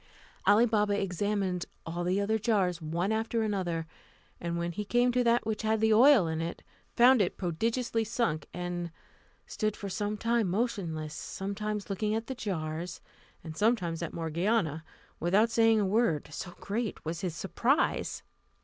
Ali Baba examined all the other jars, one after another; and when he came to that which had the oil in it, found it prodigiously sunk, and stood for some time motionless, sometimes looking at the jars, and sometimes at Morgiana, without saying a word, so great was his surprise.